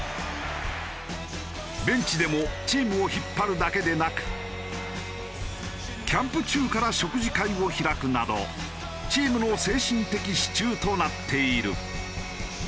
ベンチでもチームを引っ張るだけでなくキャンプ中から食事会を開くなどチームの精神的支柱となっている。